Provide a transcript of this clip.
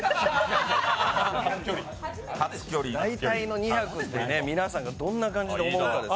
大体２００って皆さんがどんな感じで思うのか。